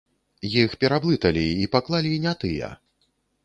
Іх пераблыталі, і паклалі не тыя.